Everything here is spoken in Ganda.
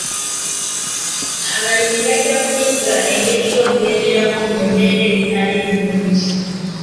Abalimi bajja kuyiga engeri y'okulemerako mu mbeera ezitali nnungi.